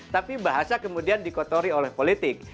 tapi bahasa kemudian dikotori oleh politik